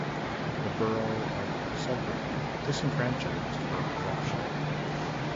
The Borough of Sudbury disenfranchised for corruption.